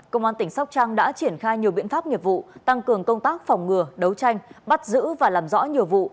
công an tỉnh sóc trăng đã triển khai nhiều biện pháp nghiệp vụ tăng cường công tác phòng ngừa đấu tranh bắt giữ và làm rõ nhiều vụ